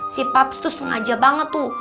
si paps tuh sengaja banget tuh